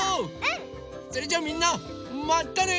それじゃあみんなまたね！